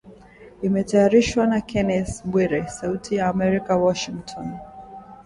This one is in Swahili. Imetayarishwa na Kennes Bwire sauti ya Amerika Washington